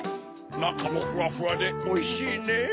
なかもふわふわでおいしいねぇ。